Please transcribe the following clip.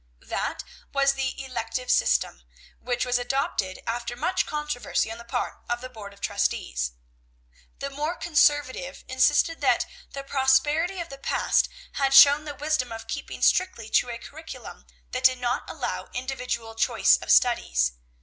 That was the elective system, which was adopted after much controversy on the part of the Board of Trustees. The more conservative insisted that the prosperity of the past had shown the wisdom of keeping strictly to a curriculum that did not allow individual choice of studies.